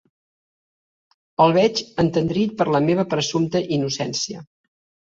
El veig entendrit per la meva presumpta innocència.